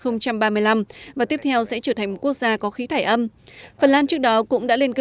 năm hai nghìn ba mươi năm và tiếp theo sẽ trở thành một quốc gia có khí thải âm phần lan trước đó cũng đã lên kế